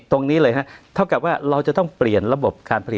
ตรงนี้เลยฮะเท่ากับว่าเราจะต้องเปลี่ยนระบบการผลิต